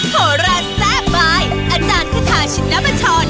โทรแซ่บบายอาจารย์ขึ้นทางชินรับชอน